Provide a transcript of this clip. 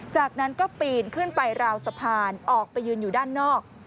จากนั้นก็ปีนขึ้นไปราวสะพานออกไปยืนอยู่ด้านนอก